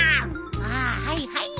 ああはいはい。